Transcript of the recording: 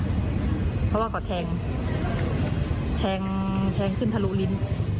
เพราะว่าเขาแทงแทงขึ้นทะลุลิ้น